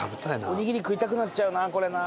オニギリ食いたくなっちゃうなこれな。